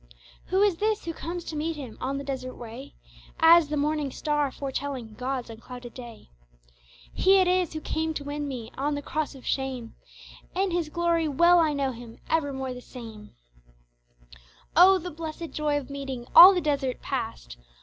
Who is this who comes to meet me On the desert way, As the Morning Star foretelling God's unclouded day? He it is who came to win me, On the cross of shame In His glory well I know Him, Evermore the same Oh! the blessed joy of meeting, All the desert past!